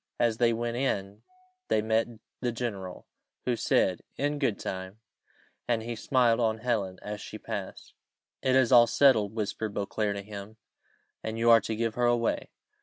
As they went in, they met the general, who said, "In good time;" and he smiled on Helen as she passed. "It is all settled," whispered Beauclerc to him; "and you are to give her away."